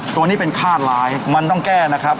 ตัวนี้เป็นคาดร้ายมันต้องแก้นะครับ